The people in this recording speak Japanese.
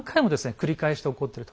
繰り返して起こってると。